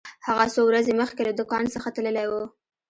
هغه څو ورځې مخکې له دکان څخه تللی و.